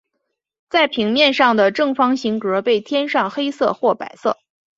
在平面上的正方形格被填上黑色或白色。